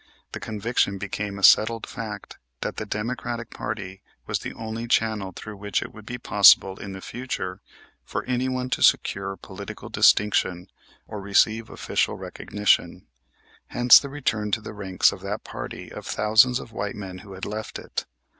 The conviction became a settled fact that the Democratic party was the only channel through which it would be possible in the future for anyone to secure political distinction or receive official recognition, hence the return to the ranks of that party of thousands of white men who had left it.